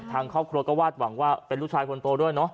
ทางครอบครัวก็วาดหวังว่าเป็นลูกชายคนโตด้วยเนาะ